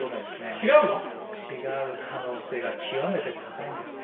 違うの⁉違う可能性が極めて高いんですね。